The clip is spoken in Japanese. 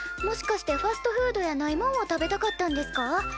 もしかしてファストフードやないもんを食べたかったんですか？